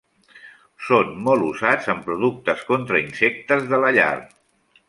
Són molt usats en productes contra insectes de la llar.